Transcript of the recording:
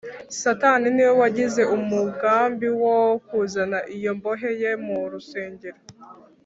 satani ni we wagize umugambi wo kuzana iyo mbohe ye mu rusengero